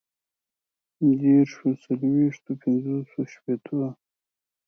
ديرشو، څلويښتو، پنځوسو، شپيتو